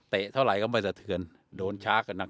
เตะเท่าไหร่ก็ไม่สะเทือนโดนชาร์กก็หนัก